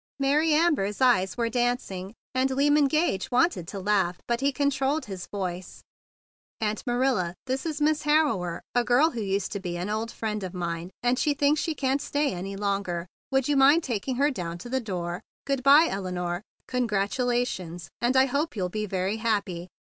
Mary Amber s eyes were dancing, and Lyman Gage wanted to laugh, but he controlled his voice. "Aunt Manila, this is Miss Har rower, a girl who used to be an old friend of mine, and she thinks she can't stay any longer. Would you mind taking her down to the door? Good by, Elinore. Congratulations! And I hope you'll be very happy!"